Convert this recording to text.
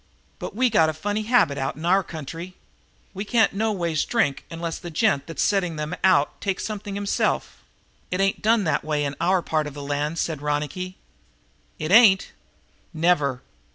"But we got a funny habit out in our country. We can't no ways drink unless the gent that's setting them out takes something himself. It ain't done that way in our part of the land," said Ronicky. "It ain't?" "Never!"